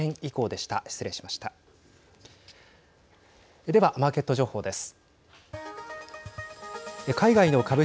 では、マーケット情報です。